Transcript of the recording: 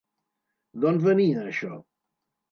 D'on venia això?